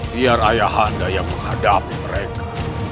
biar ayah anda yang menghadapi mereka